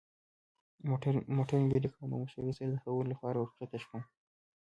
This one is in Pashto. موټر مې برېک کړ او له مشرې سره د خبرو لپاره ور کښته شوم.